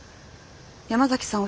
山崎さん